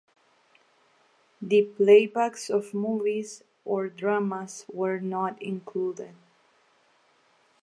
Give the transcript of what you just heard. The playbacks of movies or dramas were not included.